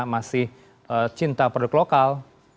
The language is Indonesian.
masih cinta produk lokal